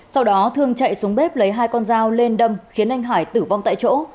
sau đó thương chạy xuống bếp lấy hai con dao lên đâm khiến anh hải tử vong tại chỗ